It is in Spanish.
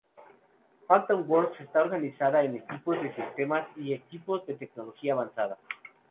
Phantom Works está organizada en equipos de sistemas y equipos de tecnología avanzada.